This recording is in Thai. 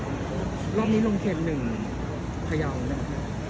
รอบนี้โรงแครมหนึ่งพ๋ยาวนั้นน่ะค่ะ